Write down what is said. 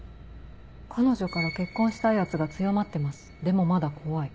「彼女から結婚したい圧が強まってますでもまだ怖い」。